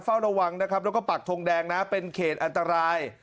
เฝ้าระวังนะครับแล้วก็ปักทงแดงนะเป็นเขตอันตราย